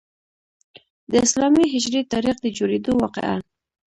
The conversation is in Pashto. د اسلامي هجري تاریخ د جوړیدو واقعه.